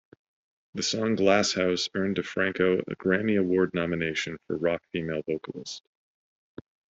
The song "Glass House" earned DiFranco a Grammy Award nomination for Rock Female Vocalist.